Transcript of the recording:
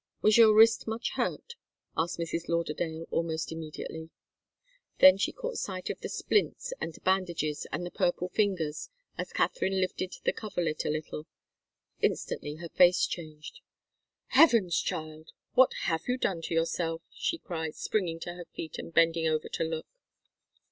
"Was your wrist much hurt?" asked Mrs. Lauderdale, almost immediately. Then she caught sight of the splints and bandages and the purple fingers, as Katharine lifted the coverlet a little. Instantly her face changed. "Heavens, child! What have you done to yourself?" she cried, springing to her feet and bending over to look.